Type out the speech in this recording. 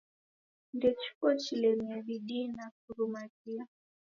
Ndechiko chilemie bidii na kurumaghia.